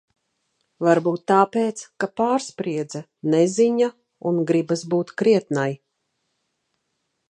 Varbūt tāpēc, ka pārspriedze, neziņa un gribas būt krietnai.